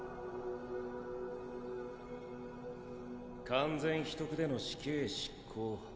完全秘匿での死刑執行。